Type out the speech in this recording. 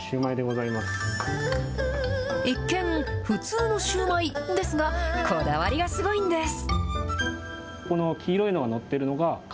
一見、普通のシューマイですが、こだわりがすごいんです。